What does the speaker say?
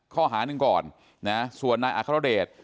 ข้อหาหนึ่งก่อนนะส่วนนายอัครเดช